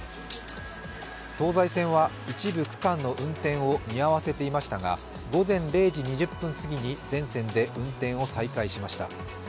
東西線は一部区間の運転を見合わせていましたが午前０時２０分すぎに全線で運転を再開しました。